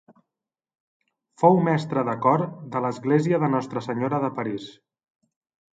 Fou mestre de cor de l'església de Nostra Senyora de París.